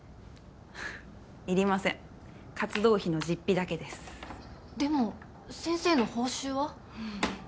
いりません活動費の実費だけですでも先生の報酬は？